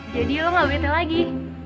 lo gak bete lagi